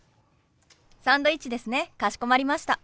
サンドイッチですねかしこまりました。